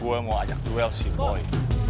gue mau ajak duel si boy